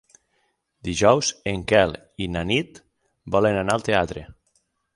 Dijous en Quel i na Nit volen anar al teatre.